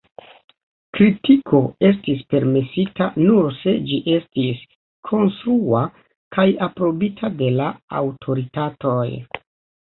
Kritiko estis permesita nur se ĝi estis “konstrua” kaj aprobita de la aŭtoritatoj.